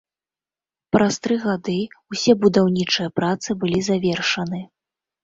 Праз тры гады ўсе будаўнічыя працы былі завершаны.